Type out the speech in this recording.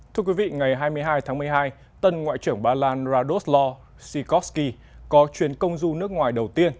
thưa quý vị ngày hai mươi hai tháng một mươi hai tân ngoại trưởng ba lan radustlo tikovsky có chuyến công du nước ngoài đầu tiên